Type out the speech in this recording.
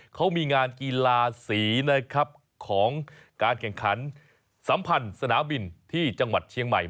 เขามีงานกีฬาสีนะครับของการแข่งขันสัมพันธ์สนามบินที่จังหวัดเชียงใหม่